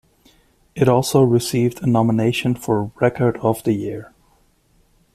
It also received a nomination for Record of the Year.